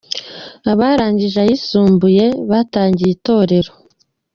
Abarangije ayisumbuye batangiye Itorero